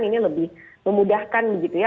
ini lebih memudahkan begitu ya